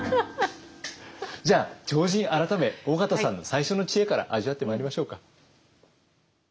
じゃあ超人改め緒方さんの最初の知恵から味わってまいりましょうか。